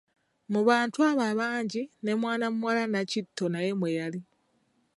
Mu bantu abo abangi ne mwana muwala Nnakitto naye mwe yali